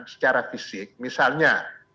secara fisik misalnya